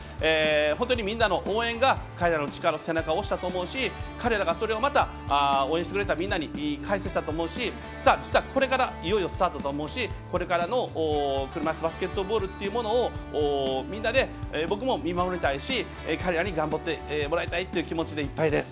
本当にみんなの応援が彼らの背中を押したと思うし彼らがそれをまた応援してくれたみんなに返せたと思うし実は、これからいよいよスタートだと思うしこれからの車いすバスケットボールというものを僕も見守りたいし彼らに頑張ってほしい気持ちでいっぱいです。